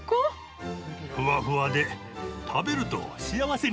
ふわふわで食べると幸せになるね。